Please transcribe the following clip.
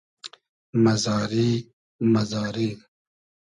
مئزاری مئزاری